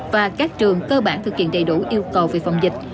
và các trường cơ bản thực hiện đầy đủ yêu cầu về phòng dịch